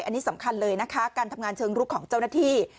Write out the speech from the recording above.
อันนี้สำคัญเลยนะคะการทำงานเชิงลุกของเจ้าหน้าที่